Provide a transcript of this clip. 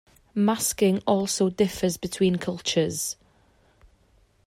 Masking also differs between cultures.